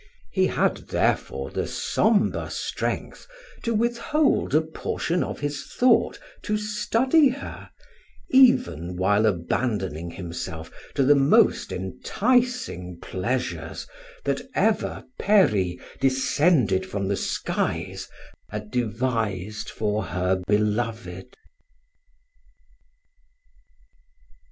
He had therefore the sombre strength to withhold a portion of his thought, to study her, even while abandoning himself to the most enticing pleasures that ever peri descended from the skies had devised for her beloved.